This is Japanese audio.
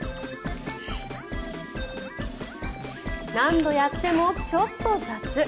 何度やってもちょっと雑。